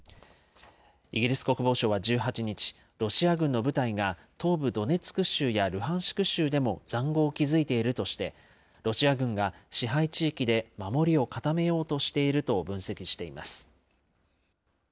イギリス国防省は１８日、ロシア軍の部隊が、東部ドネツク州やルハンシク州でもざんごうを築いているとして、ロシア軍が支配地域で守りを固めようとしていると分析しています。